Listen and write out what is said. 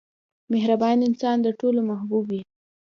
• مهربان انسان د ټولو محبوب وي.